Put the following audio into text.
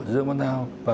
điện tập bốn